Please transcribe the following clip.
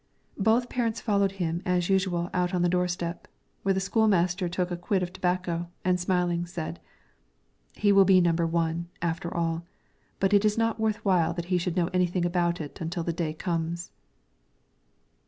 Both parents followed him as usual out on the door step; here the school master took a quid of tobacco, and smiling said, "He will be number one, after all; but it is not worth while that he should know anything about it until the day comes."